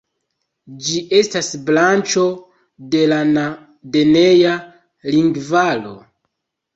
Ĝi estas branĉo de la Na-denea lingvaro.